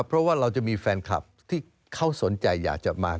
เพราะว่าเราจะมีแฟนคลับที่เขาสนใจอยากจะมา